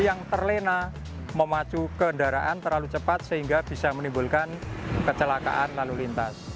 yang terlena memacu kendaraan terlalu cepat sehingga bisa menimbulkan kecelakaan lalu lintas